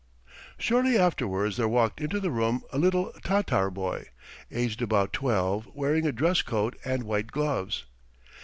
Shortly afterwards there walked into the room a little Tatar boy, aged about twelve, wearing a dress coat and white gloves.